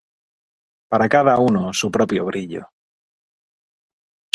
Para cada uno su propio brillo.